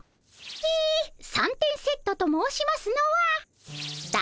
え三点セットと申しますのはだ